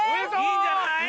いいんじゃない？